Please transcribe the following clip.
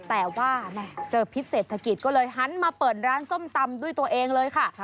แต่ว่าเจอพิษเศรษฐกิจก็เลยหันมาเปิดร้านส้มตำด้วยตัวเองเลยค่ะ